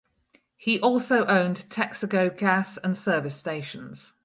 He also owned Texaco gas and service stations.